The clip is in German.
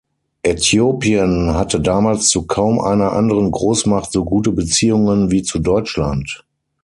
Äthiopien hatte damals zu kaum einer anderen Großmacht so gute Beziehungen wie zu Deutschland.